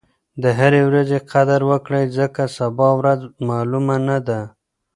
د هرې ورځې قدر وکړئ ځکه سبا ورځ معلومه نه ده.